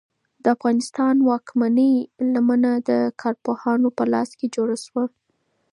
د افغان واکمنۍ لمنه د کارپوهانو په لاس جوړه شوه.